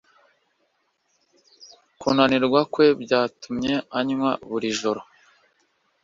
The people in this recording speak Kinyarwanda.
Kunanirwa kwe byatumye anywa buri joro.